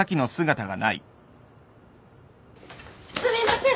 すみません。